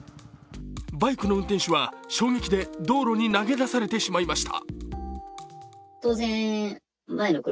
バイクの運転手は衝撃で道路に投げ出されてしまいました。